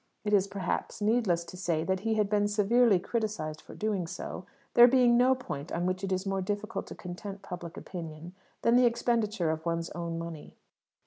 It is perhaps needless to say that he had been severely criticized for doing so, there being no point on which it is more difficult to content public opinion than the expenditure of one's own money.